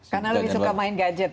karena lebih suka main gadget